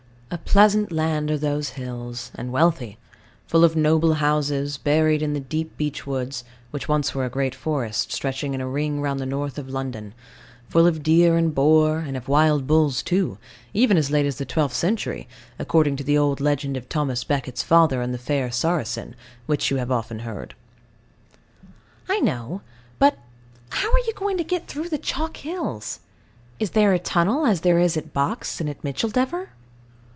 A pleasant land are those hills, and wealthy; full of noble houses buried in the deep beech woods, which once were a great forest, stretching in a ring round the north of London, full of deer and boar, and of wild bulls too, even as late as the twelfth century, according to the old legend of Thomas a Becket's father and the fair Saracen, which you have often heard. I know. But how are you going to get through the chalk hills? Is there a tunnel as there is at Box and at Micheldever?